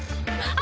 あ。